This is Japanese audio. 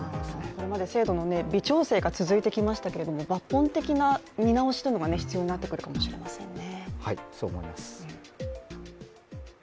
これまで制度の微調整が続いてきましたけれども、抜本的な見直しというのが、必要になってくるかもしれませんね。